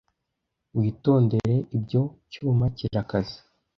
Witondere. Ibyo cyuma kirakaze.